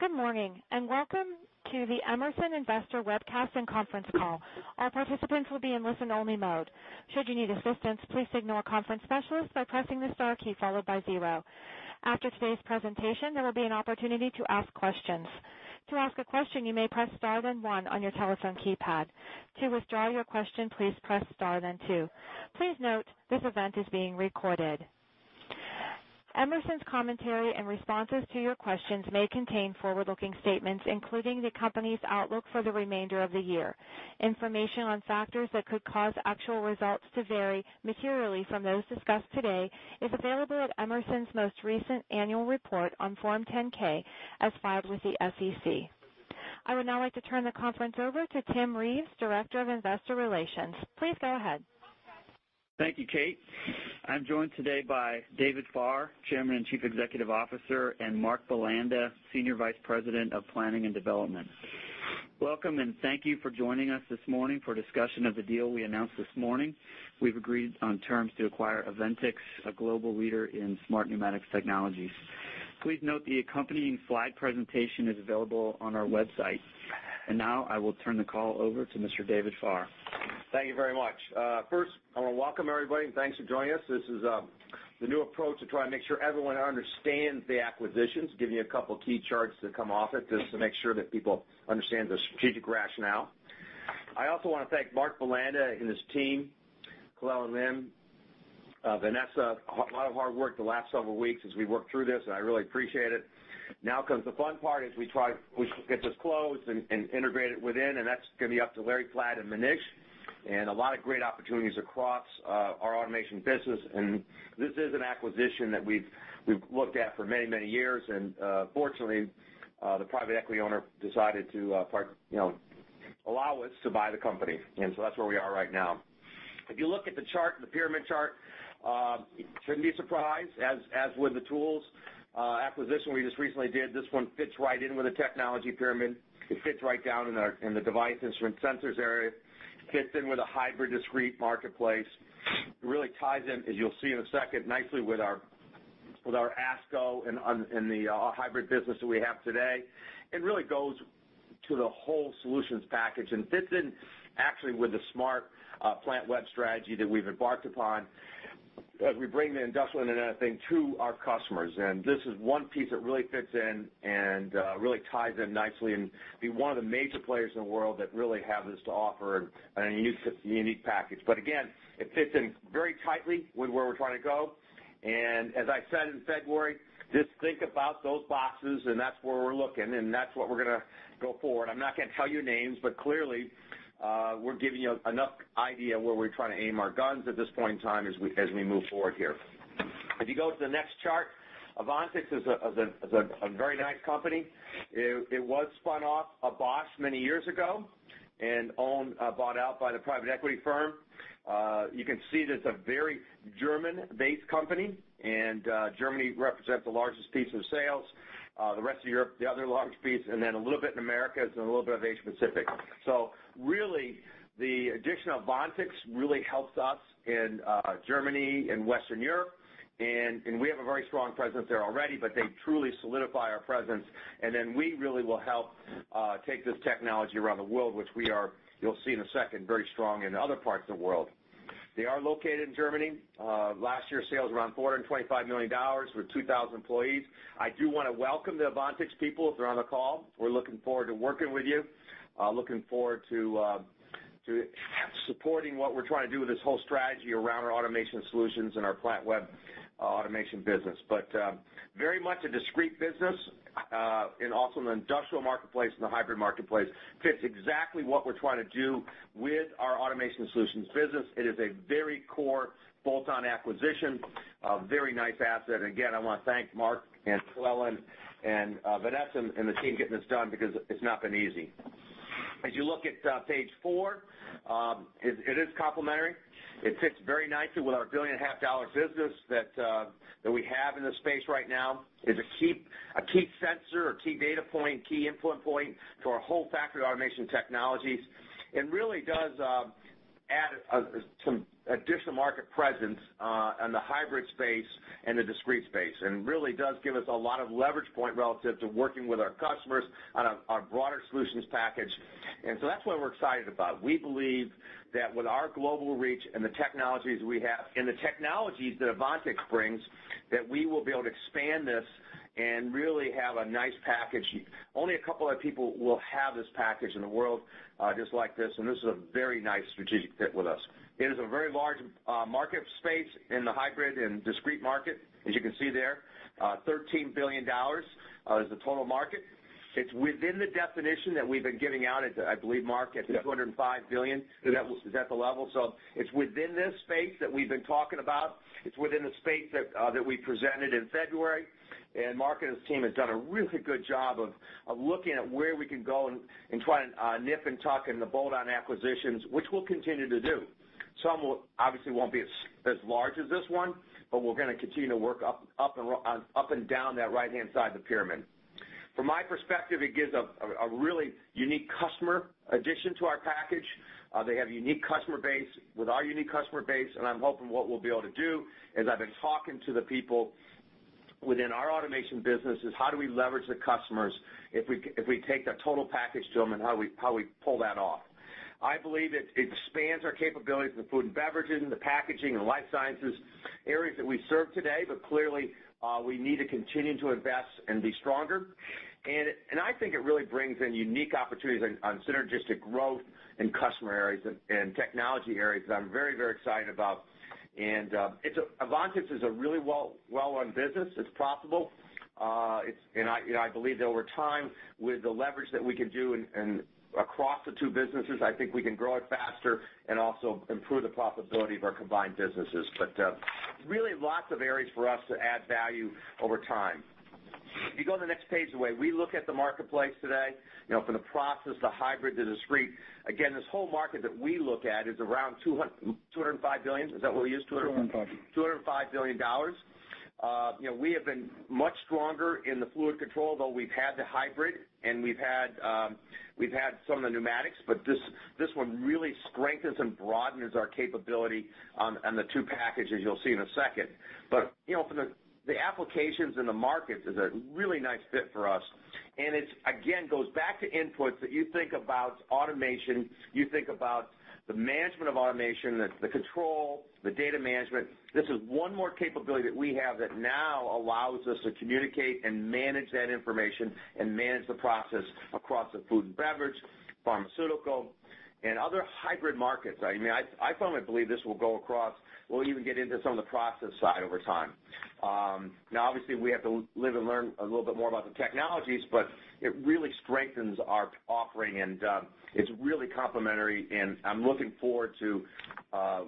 Good morning, welcome to the Emerson Investor Webcast and Conference Call. All participants will be in listen-only mode. Should you need assistance, please signal a conference specialist by pressing the star key followed by zero. After today's presentation, there will be an opportunity to ask questions. To ask a question, you may press star then one on your telephone keypad. To withdraw your question, please press star then two. Please note, this event is being recorded. Emerson's commentary and responses to your questions may contain forward-looking statements, including the company's outlook for the remainder of the year. Information on factors that could cause actual results to vary materially from those discussed today is available at Emerson's most recent annual report on Form 10-K as filed with the SEC. I would now like to turn the conference over to Tim Reeves, Director of Investor Relations. Please go ahead. Thank you, Kate. I'm joined today by David Farr, Chairman and Chief Executive Officer, and Mark Bulanda, Senior Vice President of Planning and Development. Welcome, thank you for joining us this morning for a discussion of the deal we announced this morning. We've agreed on terms to acquire Aventics, a global leader in smart pneumatics technologies. Please note the accompanying slide presentation is available on our website. Now I will turn the call over to Mr. David Farr. Thank you very much. First, I want to welcome everybody thanks for joining us. This is the new approach to try and make sure everyone understands the acquisitions, giving you a couple of key charts to come off it, just to make sure that people understand the strategic rationale. I also want to thank Mark Bulanda and his team, Clell and Lim, Vanessa. A lot of hard work the last several weeks as we worked through this, I really appreciate it. Now comes the fun part as we try to get this closed and integrated within, that's going to be up to Larry Flatt and Manish, a lot of great opportunities across our automation business. This is an acquisition that we've looked at for many, many years. Fortunately, the private equity owner decided to allow us to buy the company. So that's where we are right now. If you look at the chart, the pyramid chart, you shouldn't be surprised, as with the tools acquisition we just recently did. This one fits right in with the technology pyramid. It fits right down in the device instrument sensors area, fits in with a hybrid discrete marketplace. It really ties in, as you'll see in a second, nicely with our ASCO and the hybrid business that we have today. It really goes to the whole solutions package and fits in actually with the smart Plantweb strategy that we've embarked upon as we bring the industrial internet thing to our customers. This is one piece that really fits in and really ties in nicely and be one of the major players in the world that really have this to offer in a unique package. Again, it fits in very tightly with where we're trying to go. As I said in February, just think about those boxes, and that's where we're looking, and that's what we're going to go forward. I'm not going to tell you names, but clearly, we're giving you enough idea where we're trying to aim our guns at this point in time as we move forward here. If you go to the next chart, Aventics is a very nice company. It was spun off of Bosch many years ago and bought out by the private equity firm. You can see that it's a very German-based company, and Germany represents the largest piece of sales. The rest of Europe, the other large piece, and then a little bit in the Americas and a little bit of Asia-Pacific. Really, the addition of Aventics really helps us in Germany and Western Europe, and we have a very strong presence there already, but they truly solidify our presence, and then we really will help take this technology around the world, which we are, you'll see in a second, very strong in other parts of the world. They are located in Germany. Last year's sales were around $425 million with 2,000 employees. I do want to welcome the Aventics people if they're on the call. We're looking forward to working with you, looking forward to supporting what we're trying to do with this whole strategy around our automation solutions and our Plantweb automation business. But very much a discrete business, and also in the industrial marketplace and the hybrid marketplace. Fits exactly what we're trying to do with our automation solutions business. It is a very core bolt-on acquisition, a very nice asset. Again, I want to thank Mark and Clell and Vanessa and the team getting this done because it's not been easy. As you look at page four, it is complementary. It fits very nicely with our $1.5 billion business that we have in this space right now. It's a key sensor or key data point, key input point to our whole factory automation technologies and really does add some additional market presence on the hybrid space and the discrete space and really does give us a lot of leverage point relative to working with our customers on our broader solutions package. That's what we're excited about. We believe that with our global reach and the technologies we have, and the technologies that Aventics brings, that we will be able to expand this and really have a nice package. Only a couple of people will have this package in the world just like this, and this is a very nice strategic fit with us. It is a very large market space in the hybrid and discrete market. As you can see there, $13 billion is the total market. It's within the definition that we've been giving out, I believe, Mark- Yeah at the $205 billion. Yeah. That's the level. It's within this space that we've been talking about. It's within the space that we presented in February. Mark and his team have done a really good job of looking at where we can go and try to nip and tuck in the bolt-on acquisitions, which we'll continue to do. Some obviously won't be as large as this one, but we're going to continue to work up and down that right-hand side of the pyramid. From my perspective, it gives a really unique customer addition to our package. They have a unique customer base with our unique customer base, and I'm hoping what we'll be able to do is, I've been talking to the people within our automation business is how do we leverage the customers if we take that total package to them, and how we pull that off. I believe it expands our capabilities in the food and beverages, in the packaging and life sciences areas that we serve today. Clearly, we need to continue to invest and be stronger. I think it really brings in unique opportunities on synergistic growth in customer areas and technology areas that I'm very excited about. Aventics is a really well-run business. It's profitable. I believe that over time, with the leverage that we can do across the two businesses, I think we can grow it faster and also improve the profitability of our combined businesses. Really lots of areas for us to add value over time. If you go to the next page, the way we look at the marketplace today, from the process, the hybrid to discrete, again, this whole market that we look at is around $205 billion. Is that what we use? 205. $205 billion. We have been much stronger in the fluid control, though we've had the hybrid, and we've had some of the pneumatics, this one really strengthens and broadens our capability on the two packages you'll see in a second. From the applications and the markets, is a really nice fit for us, and it, again, goes back to inputs that you think about automation, you think about the management of automation, the control, the data management. This is one more capability that we have that now allows us to communicate and manage that information and manage the process across the food and beverage, pharmaceutical, and other hybrid markets. I firmly believe this will go across. We'll even get into some of the process side over time. Now, obviously, we have to live and learn a little bit more about the technologies, but it really strengthens our offering, and it is really complementary. I am looking forward to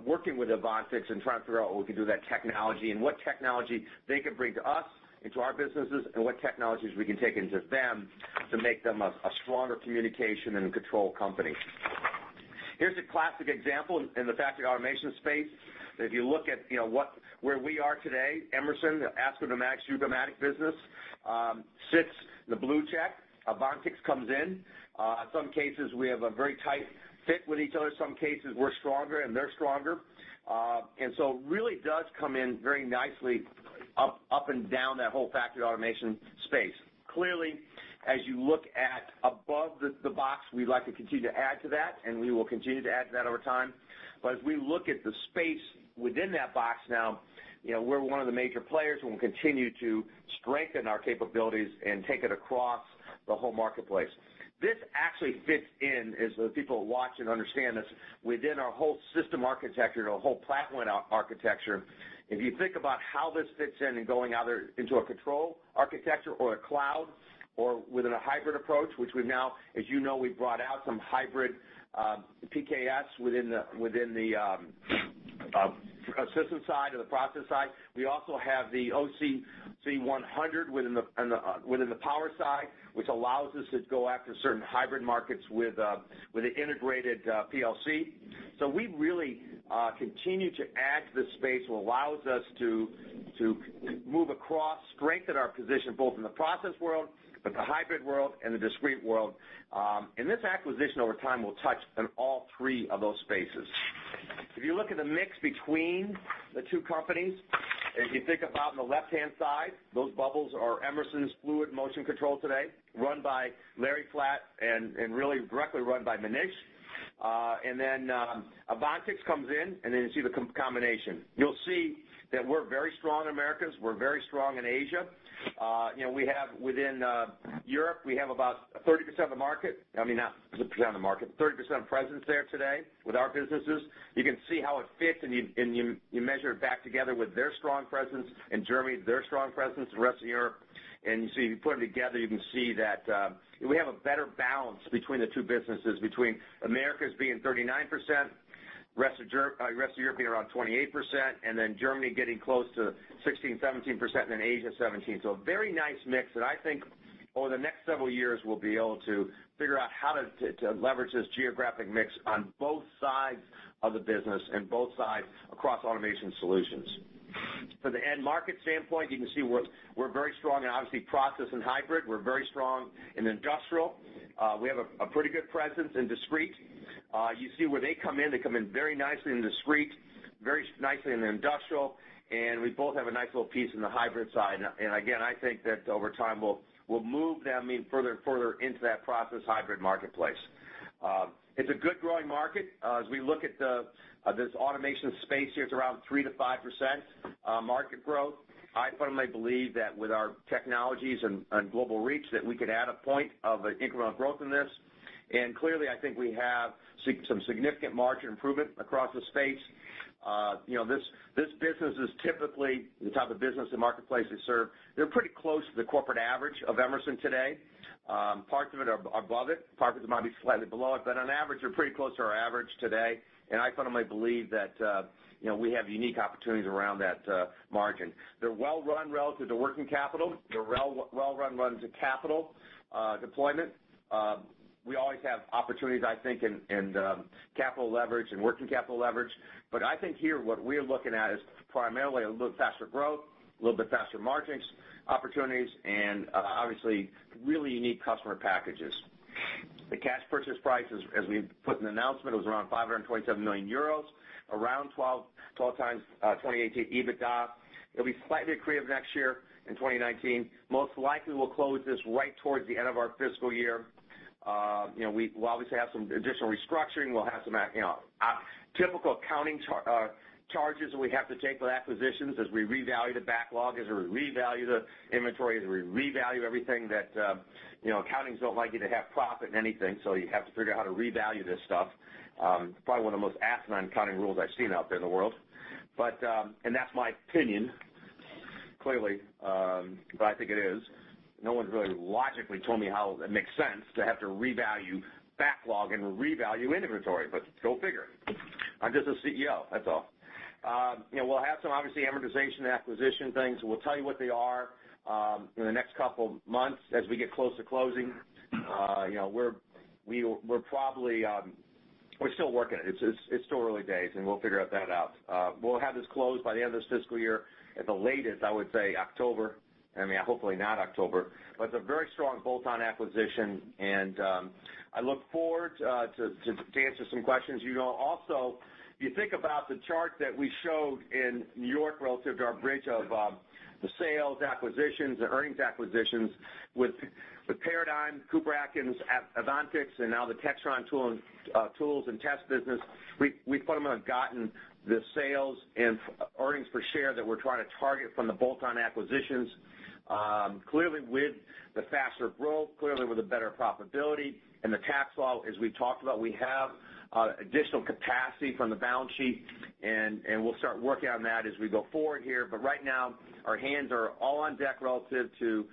working with Aventics and trying to figure out what we can do with that technology and what technology they can bring to us, into our businesses, and what technologies we can take into them to make them a stronger communication and control company. Here is a classic example in the factory automation space. If you look at where we are today, Emerson, the ASCO Numatics Joucomatic business sits in the blue check. Aventics comes in. In some cases, we have a very tight fit with each other. Some cases, we are stronger and they are stronger. It really does come in very nicely up and down that whole factory automation space. Clearly, as you look at above the box, we would like to continue to add to that, and we will continue to add to that over time. As we look at the space within that box now, we are one of the major players, and we will continue to strengthen our capabilities and take it across the whole marketplace. This actually fits in, as the people watch and understand this, within our whole system architecture, our whole platform architecture. If you think about how this fits in in going either into a control architecture or a cloud or within a hybrid approach, which we have now, as you know, we have brought out some hybrid PKS within the system side or the process side. We also have the OCC100 within the power side, which allows us to go after certain hybrid markets with an integrated PLC. We really continue to add to this space, which allows us to move across, strengthen our position both in the process world, but the hybrid world and the discrete world. This acquisition over time will touch on all three of those spaces. If you look at the mix between the two companies, if you think about on the left-hand side, those bubbles are Emerson's fluid motion control today, run by Lal Karsanbhai and really directly run by Manish. Then Aventics comes in, and then you see the combination. You will see that we are very strong in Americas. We are very strong in Asia. Within Europe, we have about 30% of the market. I mean, not 30% of the market, 30% presence there today with our businesses. You can see how it fits, and you measure it back together with their strong presence in Germany, their strong presence in the rest of Europe. You see, if you put them together, you can see that we have a better balance between the two businesses, between Americas being 39%, rest of Europe being around 28%, and then Germany getting close to 16%-17%, and then Asia, 17%. So a very nice mix, and I think over the next several years, we will be able to figure out how to leverage this geographic mix on both sides of the business and both sides across automation solutions. From the end market standpoint, you can see we are very strong in, obviously, process and hybrid. We are very strong in industrial. We have a pretty good presence in discrete. You see where they come in, they come in very nicely in discrete, very nicely in the industrial, and we both have a nice little piece in the hybrid side. Again, I think that over time, we'll move them even further into that process hybrid marketplace. It's a good growing market. As we look at this automation space here, it's around 3%-5% market growth. I firmly believe that with our technologies and global reach, that we could add a point of incremental growth in this. Clearly, I think we have some significant margin improvement across the space. This business is typically the type of business and marketplace they serve. They're pretty close to the corporate average of Emerson today. Parts of it are above it, parts of it might be slightly below it. On average, we're pretty close to our average today, and I firmly believe that we have unique opportunities around that margin. They're well run relative to working capital. They're well run relative to capital deployment. We always have opportunities, I think, in capital leverage and working capital leverage. I think here, what we're looking at is primarily a little faster growth, a little bit faster margins opportunities, and obviously, really unique customer packages. The cash purchase price, as we put in the announcement, was around 527 million euros, around 12x 2018 EBITDA. It'll be slightly accretive next year in 2019. Most likely, we'll close this right towards the end of our fiscal year. We obviously have some additional restructuring. We'll have some typical accounting charges that we have to take with acquisitions as we revalue the backlog, as we revalue the inventory, as we revalue everything that. Accountings don't like you to have profit in anything, so you have to figure out how to revalue this stuff. Probably one of the most asinine accounting rules I've seen out there in the world. That's my opinion, clearly, but I think it is. No one's really logically told me how it makes sense to have to revalue backlog and revalue inventory, but go figure. I'm just a CEO, that's all. We'll have some, obviously, amortization and acquisition things, and we'll tell you what they are in the next couple of months as we get close to closing. We're still working on it. It's still early days, and we'll figure that out. We'll have this closed by the end of this fiscal year. At the latest, I would say October. I mean, hopefully not October, but it's a very strong bolt-on acquisition, and I look forward to answer some questions. If you think about the chart that we showed in New York relative to our bridge of the sales acquisitions, the earnings acquisitions with Paradigm, Cooper-Atkins, Aventics, and now the Textron Tools & Test business, we pretty much have gotten the sales and earnings per share that we're trying to target from the bolt-on acquisitions. With the faster growth, clearly with the better profitability and the tax law, as we talked about, we have additional capacity from the balance sheet, and we'll start working on that as we go forward here. Right now, our hands are all on deck relative to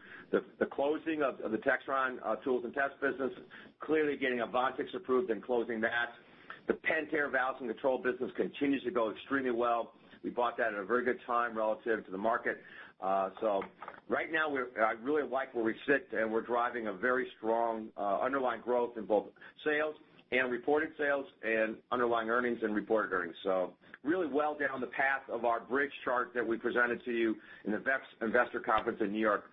the closing of the Textron tools and test business. Clearly getting Aventics approved and closing that. The Pentair Valves & Controls business continues to go extremely well. We bought that at a very good time relative to the market. Right now, I really like where we sit, and we're driving a very strong underlying growth in both sales and reported sales and underlying earnings and reported earnings. Really well down the path of our bridge chart that we presented to you in the [next] investor conference in New York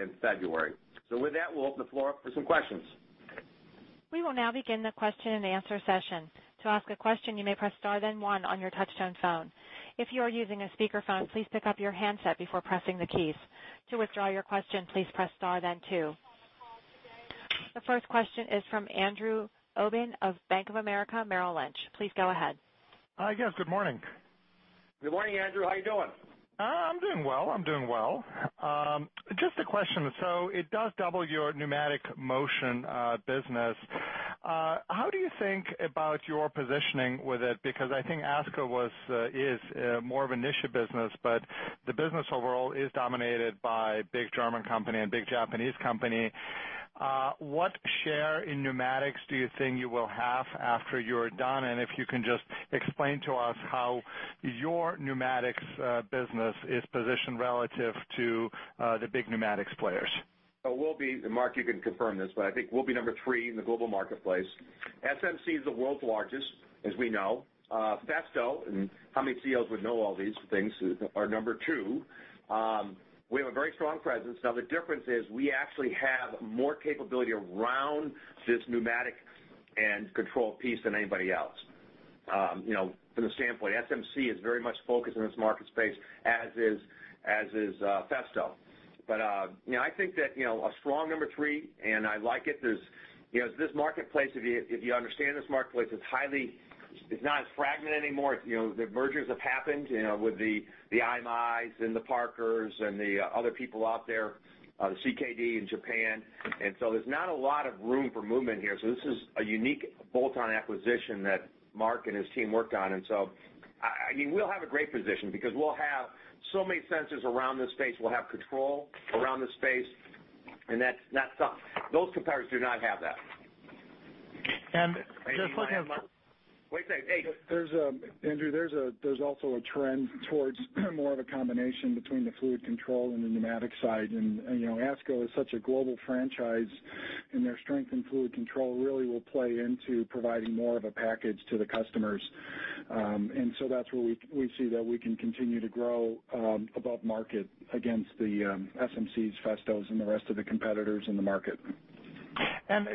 in February. With that, we'll open the floor up for some questions. We will now begin the question and answer session. To ask a question, you may press star then one on your touchtone phone. If you are using a speakerphone, please pick up your handset before pressing the keys. To withdraw your question, please press star then two. The first question is from Andrew Obin of Bank of America, Merrill Lynch. Please go ahead. Hi, guys. Good morning. Good morning, Andrew. How you doing? I'm doing well. Just a question. It does double your pneumatic motion business. How do you think about your positioning with it? I think ASCO is more of a niche business, but the business overall is dominated by big German company and big Japanese company. What share in pneumatics do you think you will have after you're done? If you can just explain to us how your pneumatics business is positioned relative to the big pneumatics players. We'll be, and Mark, you can confirm this, but I think we'll be number 3 in the global marketplace. SMC is the world's largest, as we know. Festo, and how many CEOs would know all these things, are number 2. We have a very strong presence. The difference is we actually have more capability around this pneumatic and control piece than anybody else. From the standpoint, SMC is very much focused in this market space, as is Festo. I think that a strong number 3, and I like it. If you understand this marketplace, it's not as fragmented anymore. The mergers have happened, with the IMI and the Parker and the other people out there, the CKD in Japan. There's not a lot of room for movement here. This is a unique bolt-on acquisition that Mark and his team worked on. We'll have a great position because we'll have so many sensors around this space. We'll have control around this space, and those competitors do not have that. Just looking at- Wait a second. Hey. Andrew, there's also a trend towards more of a combination between the fluid control and the pneumatic side. ASCO is such a global franchise, and their strength in fluid control really will play into providing more of a package to the customers. That's where we see that we can continue to grow above market against the SMCs, Festos, and the rest of the competitors in the market.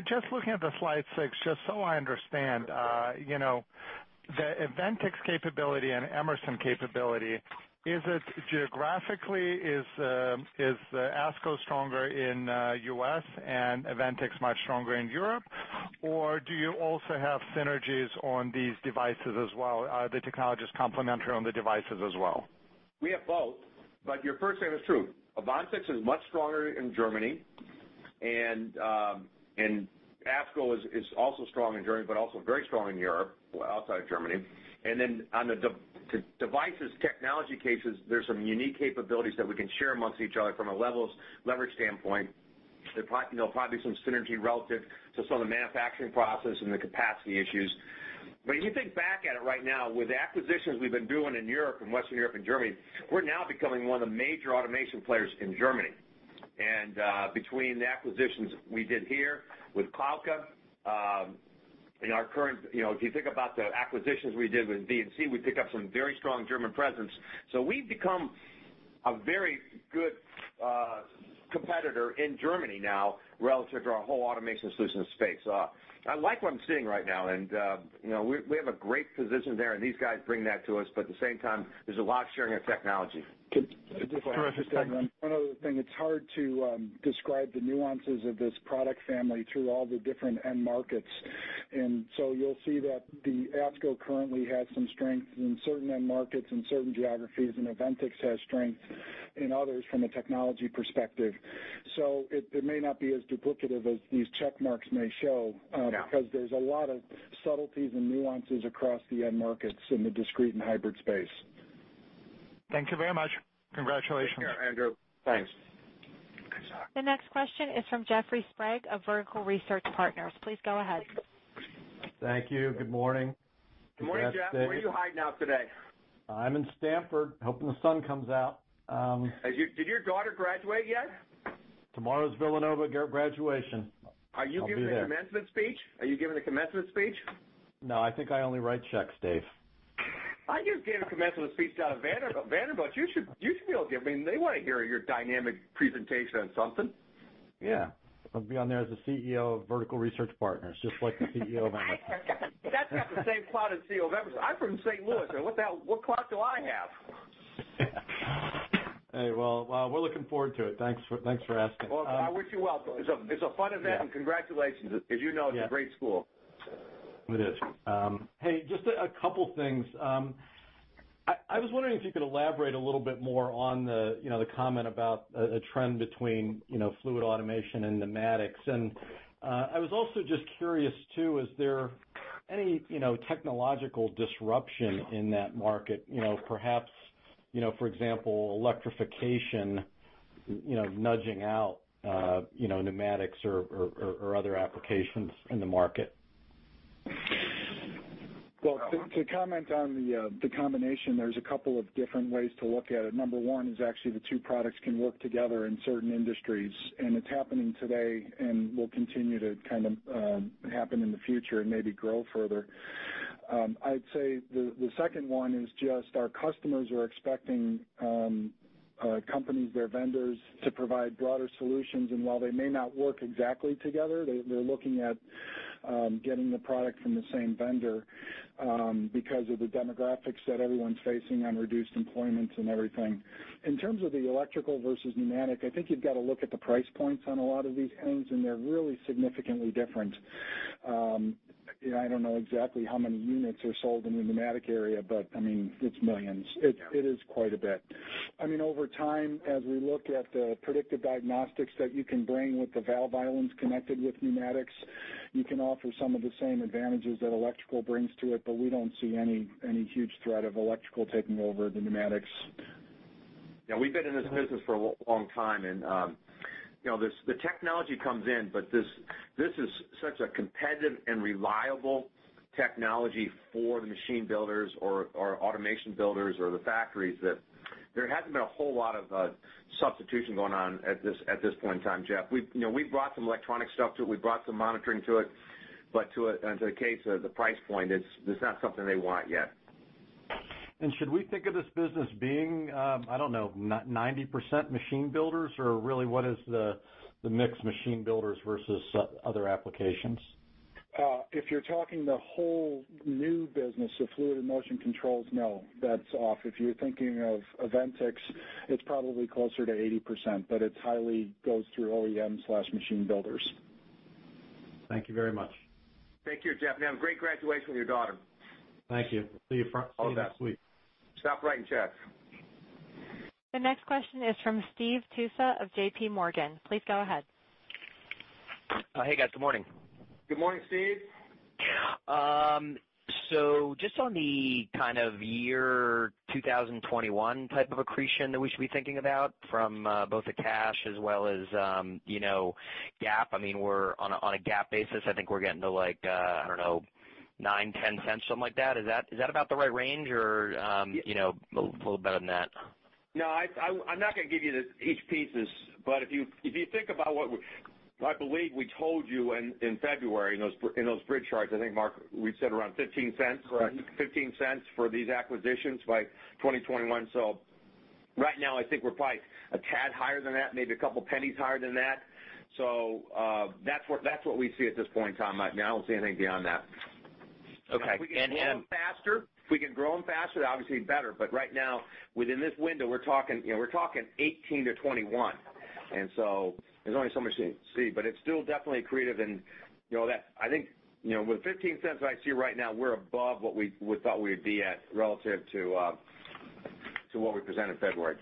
Just looking at the slide six, just so I understand, the Aventics capability and Emerson capability, is it geographically, is ASCO stronger in U.S. and Aventics much stronger in Europe? Do you also have synergies on these devices as well? Are the technologies complementary on the devices as well? We have both, but your first statement is true. Aventics is much stronger in Germany, and ASCO is also strong in Germany, but also very strong in Europe, outside of Germany. Then on the devices technology cases, there's some unique capabilities that we can share amongst each other from a leverage standpoint. There'll probably be some synergy relative to some of the manufacturing process and the capacity issues. If you think back at it right now, with acquisitions we've been doing in Europe, in Western Europe and Germany, we're now becoming one of the major automation players in Germany. Between the acquisitions we did here with Klauke. In our current, if you think about the acquisitions we did with V&C, we picked up some very strong German presence. We've become a very good competitor in Germany now relative to our whole automation solutions space. I like what I'm seeing right now, and we have a great position there, and these guys bring that to us, but at the same time, there's a lot of sharing of technology. Terrific. Thanks. One other thing. It's hard to describe the nuances of this product family through all the different end markets. You'll see that the ASCO currently has some strength in certain end markets and certain geographies, and Aventics has strength in others from a technology perspective. It may not be as duplicative as these check marks may show. Yeah There's a lot of subtleties and nuances across the end markets in the discrete and hybrid space. Thank you very much. Congratulations. Take care, Andrew. Thanks. Thanks. The next question is from Jeffrey Sprague of Vertical Research Partners. Please go ahead. Thank you. Good morning. Good morning, Jeff. Where are you hiding out today? I'm in Stamford, hoping the sun comes out. Did your daughter graduate yet? Tomorrow's Villanova graduation. I'll be there. Are you giving the commencement speech? Are you giving the commencement speech? No, I think I only write checks, Dave. You gave the commencement speech down at Vanderbilt. You should be able to give I mean, they want to hear your dynamic presentation on something. Yeah. I'll be on there as the CEO of Vertical Research Partners, just like the CEO of Emerson. That's not the same clout as CEO of Emerson. I'm from St. Louis, and what clout do I have? Hey, well, we're looking forward to it. Thanks for asking. Well, I wish you well. It's a fun event, and congratulations. As you know, it's a great school. It is. Hey, just a couple things. I was wondering if you could elaborate a little bit more on the comment about a trend between fluid automation and pneumatics. I was also just curious too, is there any technological disruption in that market? Perhaps, for example, electrification nudging out pneumatics or other applications in the market. Well, to comment on the combination, there's a couple of different ways to look at it. Number one is actually the two products can work together in certain industries, and it's happening today and will continue to kind of happen in the future and maybe grow further. I'd say the second one is just our customers are expecting companies, their vendors, to provide broader solutions. While they may not work exactly together, they're looking at getting the product from the same vendor because of the demographics that everyone's facing on reduced employments and everything. In terms of the electrical versus pneumatic, I think you've got to look at the price points on a lot of these things, and they're really significantly different. I don't know exactly how many units are sold in the pneumatic area, but, I mean, it's millions. Yeah. It is quite a bit. Over time, as we look at the predictive diagnostics that you can bring with the valve islands connected with pneumatics, you can offer some of the same advantages that electrical brings to it. We don't see any huge threat of electrical taking over the pneumatics. Yeah, we've been in this business for a long time, and the technology comes in, but this is such a competitive and reliable technology for the machine builders or automation builders or the factories that there hasn't been a whole lot of substitution going on at this point in time, Jeff. We've brought some electronic stuff to it. We've brought some monitoring to it, but to the case of the price point, it's not something they want yet. Should we think of this business being, I don't know, 90% machine builders, or really, what is the mixed machine builders versus other applications? If you're talking the whole new business of fluid and motion controls, no, that's off. If you're thinking of Aventics, it's probably closer to 80%, but it highly goes through OEM/machine builders. Thank you very much. Thank you, Jeff. Have a great graduation with your daughter. Thank you. See you next week. Stop writing checks. The next question is from Steve Tusa of JPMorgan. Please go ahead. Hey, guys. Good morning. Good morning, Steve. Just on the kind of year 2021 type of accretion that we should be thinking about from both the cash as well as GAAP. I mean, on a GAAP basis, I think we're getting to like, I don't know, $0.09, $0.10, something like that. Is that about the right range or a little better than that? No, I'm not going to give you each pieces, but if you think about what I believe we told you in February in those bridge charts, I think, Mark, we said around $0.15. Correct. $0.15 for these acquisitions by 2021. Right now, I think we're probably a tad higher than that, maybe a couple pennies higher than that. That's what we see at this point in time right now. I don't see anything beyond that. Okay. If we can grow them faster, obviously better. Right now, within this window, we're talking 2018 to 2021, and so there's only so much you can see. It's still definitely accretive, and I think with the $0.15 I see right now, we're above what we thought we'd be at relative to what we presented in February.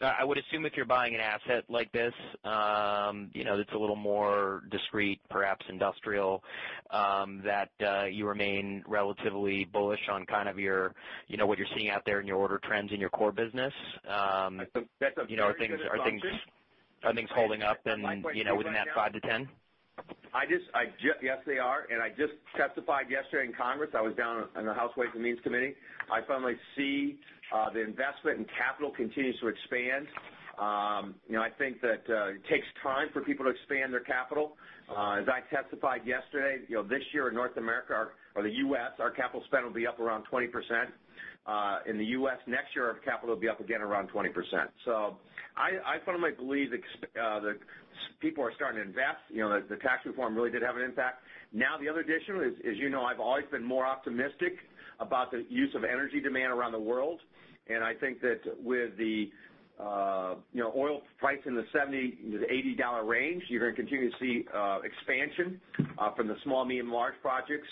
I would assume if you're buying an asset like this that's a little more discrete, perhaps industrial, that you remain relatively bullish on kind of what you're seeing out there in your order trends in your core business. That's a very good assumption. Are things holding up within that 5 to 10? Yes, they are. I just testified yesterday in Congress. I was down in the House Committee on Ways and Means. I firmly see the investment in capital continues to expand. I think that it takes time for people to expand their capital. As I testified yesterday, this year in North America or the U.S., our capital spend will be up around 20%. In the U.S. next year, our capital will be up again around 20%. I fundamentally believe that people are starting to invest. The tax reform really did have an impact. The other addition is, as you know, I've always been more optimistic about the use of energy demand around the world. I think that with the oil price in the $70 to $80 range, you're going to continue to see expansion from the small, medium, large projects.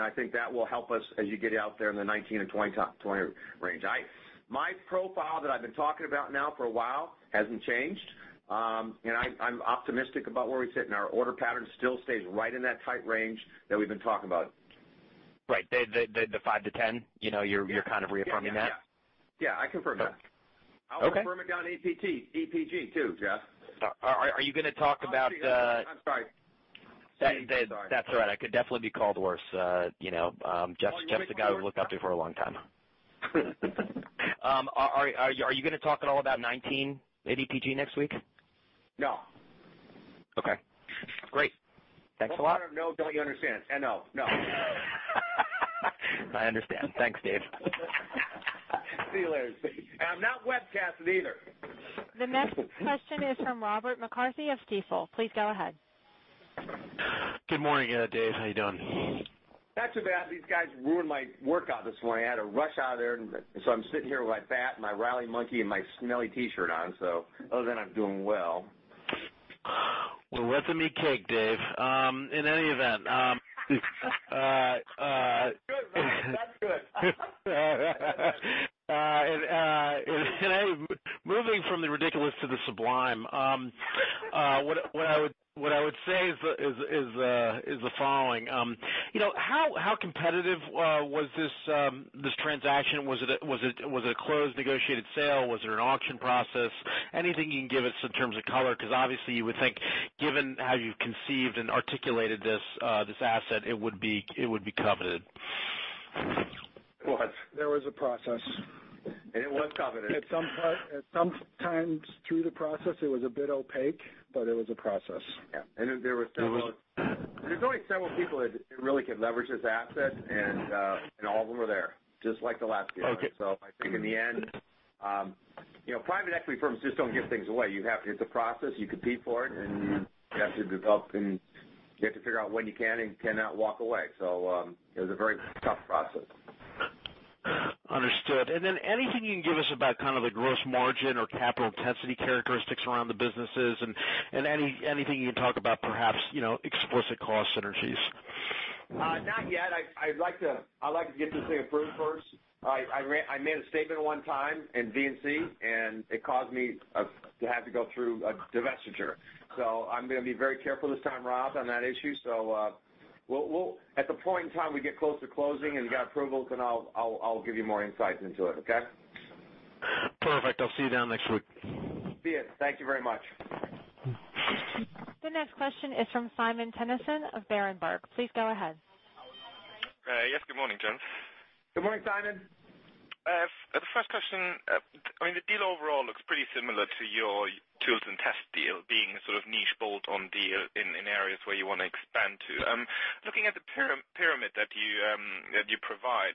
I think that will help us as you get out there in the 2019 and 2020 range. My profile that I've been talking about now for a while hasn't changed. I'm optimistic about where we sit. Our order pattern still stays right in that tight range that we've been talking about. Right. The 5 to 10? You're kind of reaffirming that? Yeah, I confirm that. Okay. I'll confirm it on EPG too, Jeff. Are you going to talk about the-. I'm sorry. That's all right. I could definitely be called worse. Jeff's the guy we looked up to for a long time. Are you going to talk at all about 2019 EPG next week? No. Okay, great. Thanks a lot. No, don't you understand? N-O. No. I understand. Thanks, Dave. See you later. I'm not webcasted either. The next question is from Robert McCarthy of Stifel. Please go ahead. Good morning, Dave. How you doing? Not too bad. These guys ruined my workout this morning. I had to rush out of there. I'm sitting here with my bat and my rally monkey and my smelly T-shirt on. Other than that, I'm doing well. Well, rhythm and cake, Dave. That's good, Rob. That's good. Moving from the ridiculous to the sublime. What I would say is the following. How competitive was this transaction? Was it a closed negotiated sale? Was it an auction process? Anything you can give us in terms of color, because obviously you would think, given how you've conceived and articulated this asset, it would be coveted. It was. There was a process. It was coveted. At some times through the process, it was a bit opaque, but it was a process. There's only several people that really could leverage this asset, and all of them are there, just like the last deal. Okay. I think in the end, private equity firms just don't give things away. It's a process. You compete for it, and you have to develop, and you have to figure out when you can and cannot walk away. It was a very tough process. Understood. Then anything you can give us about kind of the gross margin or capital intensity characteristics around the businesses and anything you can talk about, perhaps, explicit cost synergies? Not yet. I'd like to get this thing approved first. I made a statement one time in V&C, and it caused me to have to go through a divestiture. I'm going to be very careful this time, Rob, on that issue. At the point in time we get close to closing and got approvals, then I'll give you more insights into it, okay? Perfect. I'll see you down next week. See you. Thank you very much. The next question is from Simon Toennessen of Berenberg. Please go ahead. Yes. Good morning, gents. Good morning, Simon. The first question. The deal overall looks pretty similar to your Tools & Test deal, being a sort of niche bolt-on deal in areas where you want to expand to. Looking at the pyramid that you provide,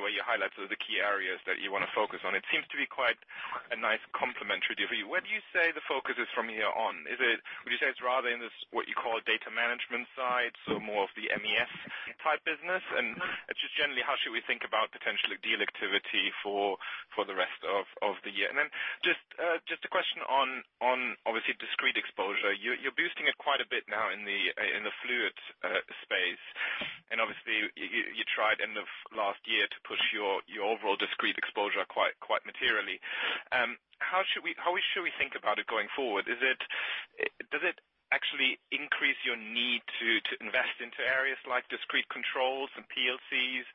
where you highlight sort of the key areas that you want to focus on, it seems to be quite a nice complementary deal for you. Where do you say the focus is from here on? Would you say it's rather in this, what you call data management side, so more of the MES-type business? Just generally, how should we think about potential deal activity for the rest of the year? Then just a question on, obviously, discrete exposure. You're boosting it quite a bit now in the fluids space. Obviously, you tried end of last year to push your overall discrete exposure quite materially. How should we think about it going forward? Does it actually increase your need to invest into areas like discrete controls and PLCs,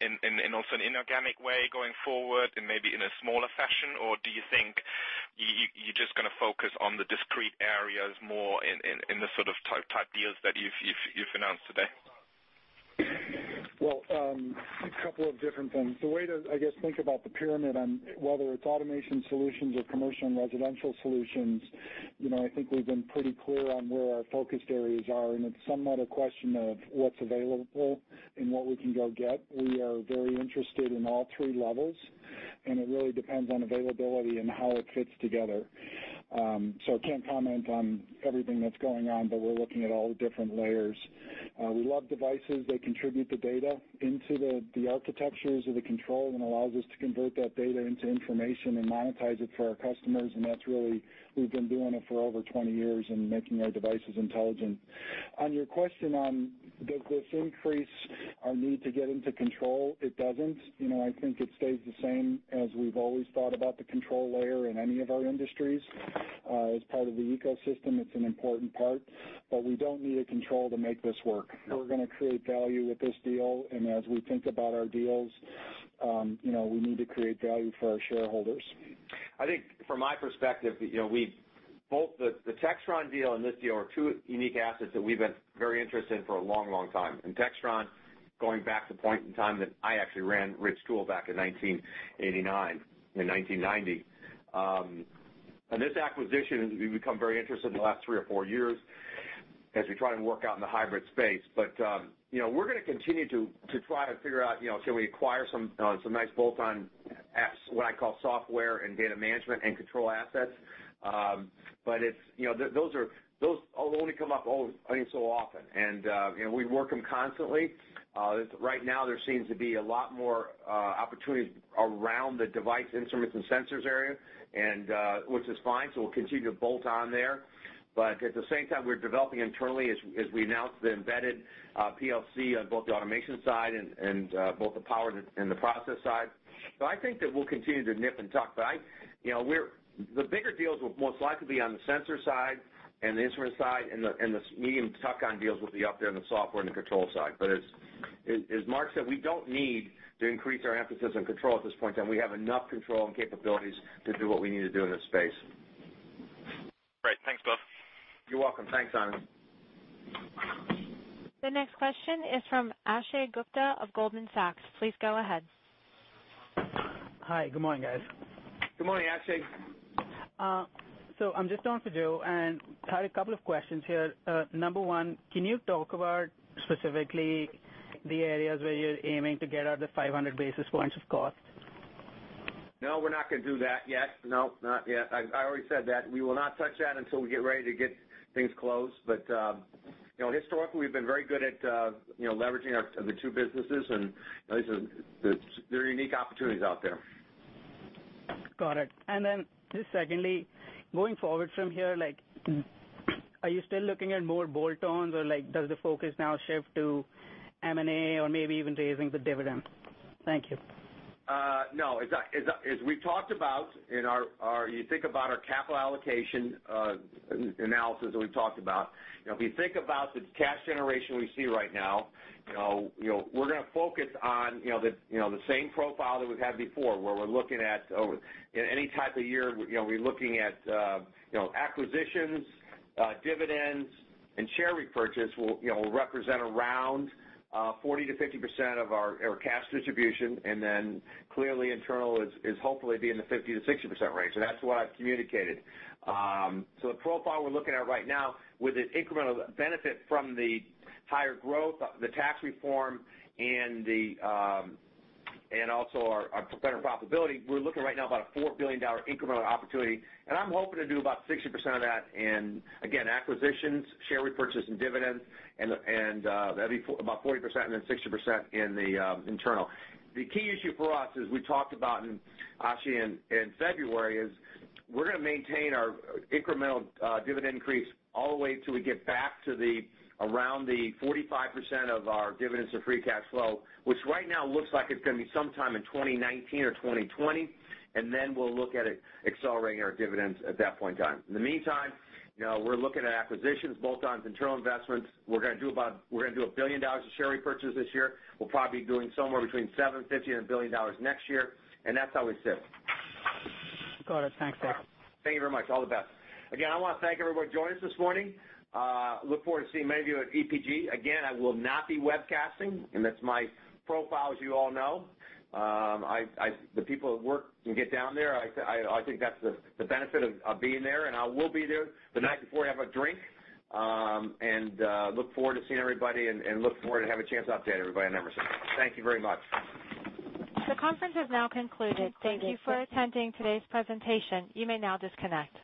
and also in inorganic way going forward and maybe in a smaller fashion? Or do you think you're just going to focus on the discrete areas more in the sort of type deals that you've announced today? Well, a couple of different things. The way to, I guess, think about the pyramid on whether it's automation solutions or commercial and residential solutions, I think we've been pretty clear on where our focus areas are, and it's somewhat a question of what's available and what we can go get. We are very interested in all 3 levels, and it really depends on availability and how it fits together. I can't comment on everything that's going on, but we're looking at all the different layers. We love devices. They contribute the data into the architectures of the control and allows us to convert that data into information and monetize it for our customers. We've been doing it for over 20 years and making our devices intelligent. On your question on does this increase our need to get into control? It doesn't. I think it stays the same as we've always thought about the control layer in any of our industries. As part of the ecosystem, it's an important part, but we don't need a control to make this work. We're going to create value with this deal, and as we think about our deals we need to create value for our shareholders. I think from my perspective, Both the Textron deal and this deal are two unique assets that we've been very interested in for a long time. Textron, going back to the point in time that I actually ran Ridge Tool back in 1989 and 1990. This acquisition, we've become very interested in the last three or four years as we try to work out in the hybrid space. We're going to continue to try to figure out, can we acquire some nice bolt-on, what I call software and data management and control assets. Those only come up only so often, and we work them constantly. Right now, there seems to be a lot more opportunities around the device instruments and sensors area, which is fine, we'll continue to bolt on there. At the same time, we're developing internally, as we announced, the embedded PLC on both the automation side and both the power and the process side. I think that we'll continue to nip and tuck. The bigger deals will most likely be on the sensor side and the instrument side, and the medium tuck-on deals will be up there on the software and the control side. As Mark said, we don't need to increase our emphasis on control at this point in time. We have enough control and capabilities to do what we need to do in this space. Great. Thanks, David. You're welcome. Thanks, Simon. The next question is from Akshay Gupta of Goldman Sachs. Please go ahead. Hi, good morning, guys. Good morning, Akshay. I'm just on for Joe, and I have a couple of questions here. Number one, can you talk about specifically the areas where you're aiming to get out the 500 basis points of cost? No, we're not going to do that yet. No, not yet. I already said that we will not touch that until we get ready to get things closed. Historically, we've been very good at leveraging the two businesses, and there are unique opportunities out there. Got it. Then just secondly, going forward from here, are you still looking at more bolt-ons, or does the focus now shift to M&A or maybe even raising the dividend? Thank you. You think about our capital allocation analysis that we talked about. If you think about the cash generation we see right now, we're going to focus on the same profile that we've had before, where we're looking at any type of year, we're looking at acquisitions, dividends, and share repurchase will represent around 40%-50% of our cash distribution, and then clearly internal is hopefully be in the 50%-60% range. That's what I've communicated. The profile we're looking at right now with the incremental benefit from the higher growth, the tax reform, and also our better profitability, we're looking right now about a $4 billion incremental opportunity, and I'm hoping to do about 60% of that in, again, acquisitions, share repurchase, and dividends, and that'd be about 40%, and then 60% in the internal. The key issue for us, as we talked about, Akshay, in February, is we're going to maintain our incremental dividend increase all the way till we get back to around the 45% of our dividends to free cash flow, which right now looks like it's going to be sometime in 2019 or 2020, and then we'll look at accelerating our dividends at that point in time. In the meantime, we're looking at acquisitions, bolt-ons, internal investments. We're going to do $1 billion of share repurchase this year. We'll probably be doing somewhere between $750 and $1 billion next year. That's how we sit. Got it. Thanks, Dave. Thank you very much. All the best. Again, I want to thank everybody joining us this morning. Look forward to seeing many of you at EPG. Again, I will not be webcasting, and that's my profile, as you all know. The people that work can get down there. I think that's the benefit of being there, and I will be there the night before to have a drink. Look forward to seeing everybody and look forward to have a chance to update everybody on Emerson. Thank you very much. The conference has now concluded. Thank you for attending today's presentation. You may now disconnect.